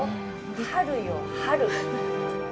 春よ春。